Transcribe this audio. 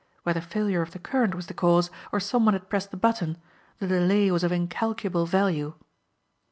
Whether failure of the current was the cause or someone had pressed the button, the delay was of incalculable value.